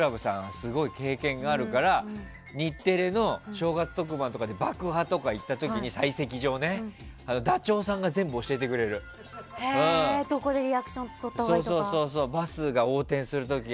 すごい経験があるから日テレの正月特番とかで爆破とか行った時に採石場ね、ダチョウさんがどこでリアクションをとったほうがいいとか？